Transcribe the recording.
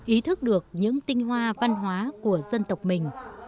ý thức được những tinh hoa văn hóa của dân tộc mình